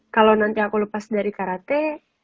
kalau nanti aku lepas dari karate